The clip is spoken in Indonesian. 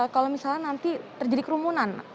kalau misalnya nanti terjadi kerumunan